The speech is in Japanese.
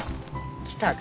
来たか？